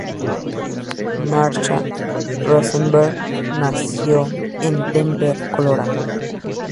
Marsha Rosenberg nació en Denver, Colorado.